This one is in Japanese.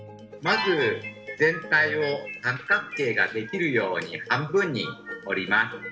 まず全体を三角形ができるように半分に折ります。